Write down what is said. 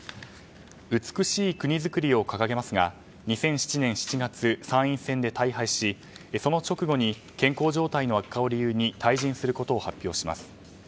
美しい国づくりを掲げますが２００７年７月参院選で大敗し、その直後に健康状態の悪化を理由に退陣することを発表します。